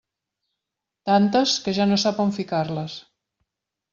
Tantes, que ja no sap on ficar-les.